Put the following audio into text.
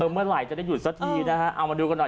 เมื่อไหนจะได้หยุดซักทีอามาดูกันหน่อย